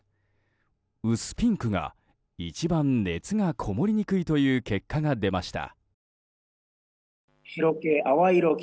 薄ピンクが一番熱がこもりにくいという結果が出ました。